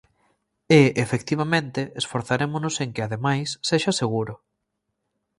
E, efectivamente, esforzarémonos en que, ademais, sexa seguro.